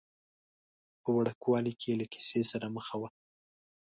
په وړوکوالي کې یې له کیسې سره مخه وه.